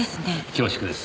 恐縮です。